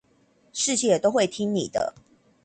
世界都會聽你的